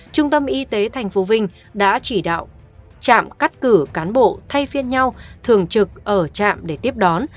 trung tâm y tế tp vinh đã chỉ đạo trạm cắt cử cán bộ thay phiên nhau thường trực ở trạm để tiếp đón